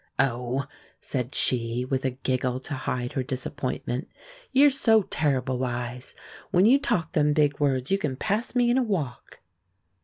"Oh!" said she, with a giggle to hide her disappointment; "you're so terrible wise! When you talk them big words you can pass me in a walk."